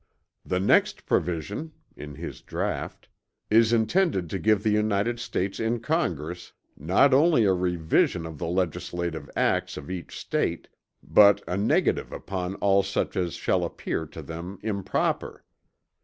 "The next provision [in his draught] is intended to give the United States in Congress, not only a revision of the legislative acts of each State, but a negative upon all such as shall appear to them improper."